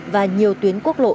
và nhiều tuyến quốc lộ